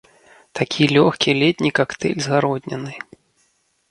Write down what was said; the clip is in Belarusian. Такі лёгкі, летні кактэйль з гародніны.